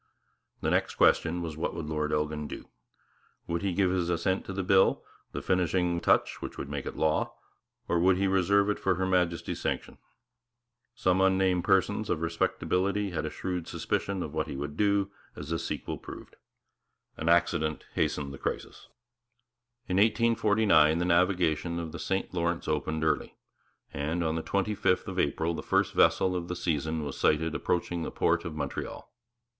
The next question was what would Lord Elgin do? Would he give his assent to the bill, the finishing vice regal touch which would make it law, or would he reserve it for Her Majesty's sanction? Some unnamed persons of respectability had a shrewd suspicion of what he would do, as the sequel proved. An accident hastened the crisis. In 1849 the navigation of the St Lawrence opened early; and on the twenty fifth of April the first vessel of the season was sighted approaching the port of Montreal.